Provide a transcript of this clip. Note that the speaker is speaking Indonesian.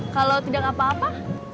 kalau tidak apa apa